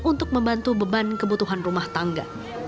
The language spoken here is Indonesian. untuk membantu beban kebutuhan rumah tangga